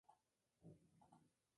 Las obras aún tardaron en iniciarse.